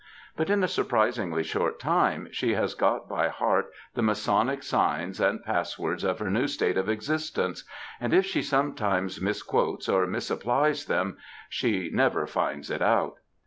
But in a surprisingly short time she has got by heart the masonic signs and pass words of her new state of existence, and if she sometimes misquotes or misapplies them she never finds it out.